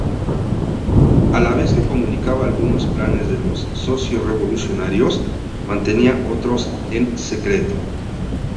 A la vez que comunicaba algunos planes de los socialrevolucionarios, mantenía otros en secreto.